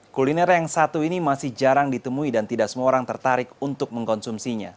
kuliner yang satu ini masih jarang ditemui dan tidak semua orang tertarik untuk mengkonsumsinya